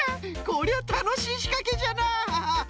こりゃたのしいしかけじゃな！